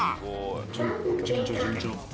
「順調順調」